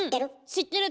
知ってる。